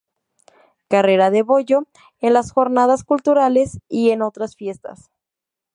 Carrera del Bollo, en las Jornadas Culturales y en otras fiestas.